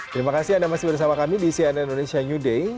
terima kasih anda masih bersama kami di cnn indonesia new day